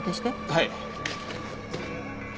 はい。